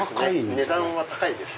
値段は高いです。